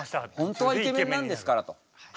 本当はイケメンなんですからと。